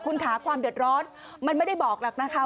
คุณค่ะความเดือดร้อนมันไม่ได้บอกหรอกนะคะ